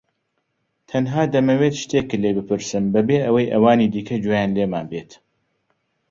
تەنها دەمەوێت شتێکت لێ بپرسم بەبێ ئەوەی ئەوانی دیکە گوێیان لێمان بێت.